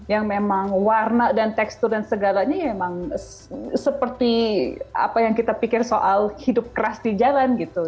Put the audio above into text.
yang memang warna dan tekstur dan segalanya memang seperti apa yang kita pikir soal hidup keras di jalan gitu